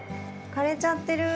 枯れちゃってる。